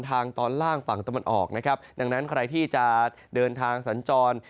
ทางตอนล่างฝั่งตะวันออกนะครับดังนั้นใครที่จะเดินทางสัญจร